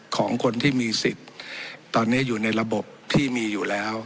ของคนที่มีสิทธิ์ตอนนี้อยู่ในระบบที่มีอยู่แล้ว